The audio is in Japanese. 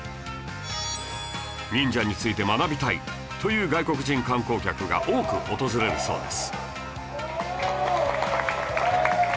忍者について学びたいという外国人観光客が多く訪れるそうです